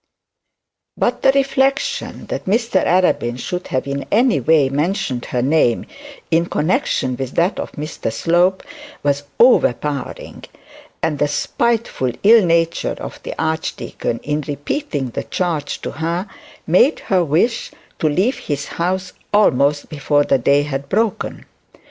But the reflection that Mr Arabin should have in any way mentioned her name in connection with that of Mr Slope was overpowering; and the spiteful ill nature of the archdeacon, in repeating the charge to her, made her wish to leave his house almost before the day had broken.